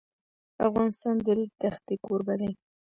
افغانستان د د ریګ دښتې کوربه دی.